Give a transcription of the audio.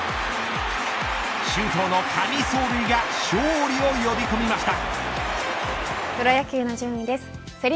周東の神走塁が勝利を呼び込みました。